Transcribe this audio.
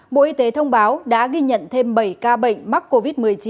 bộ y tế thông báo đã ghi nhận thêm bảy ca bệnh mắc covid một mươi chín